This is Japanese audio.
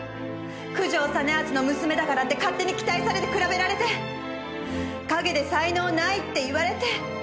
九条実篤の娘だからって勝手に期待されて比べられて陰で才能ないって言われて。